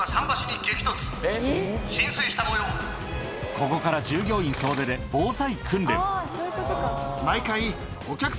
ここから従業員総出で防災